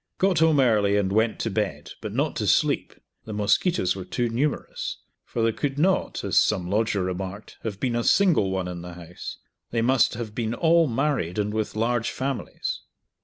Got home early and went to bed, but not to sleep, the mosquitoes were too numerous, for there could not (as some lodger remarked) have been a single one in the house; they must have been all married and with large families.